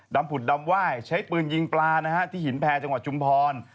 ผุดดำไหว้ใช้ปืนยิงปลานะฮะที่หินแพรจังหวัดชุมพร